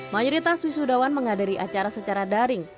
mayoritas wisudawan menghadiri acara secara daring